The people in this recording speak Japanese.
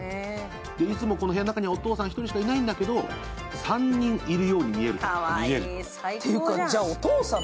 いつもこの部屋の中にはお父さん１人しかいないんだけど３人いるように見える。